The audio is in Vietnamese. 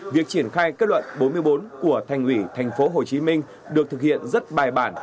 việc triển khai kết luận bốn mươi bốn của thành ủy tp hcm được thực hiện rất bài bản